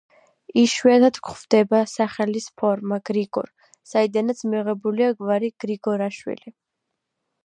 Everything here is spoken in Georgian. იშვიათად გვხვდება სახელის ფორმა გრიგორ, საიდანაც მიღებულია გვარი გრიგორაშვილი.